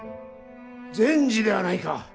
善児ではないか。